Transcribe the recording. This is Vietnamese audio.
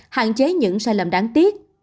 hạn chế những sai lầm đáng tiếc